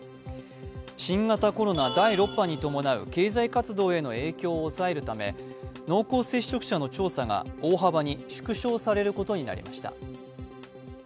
新型コロナ第６波に伴う経済活動への影響を抑えるため濃厚接触者の調査が大幅に縮小されることになりました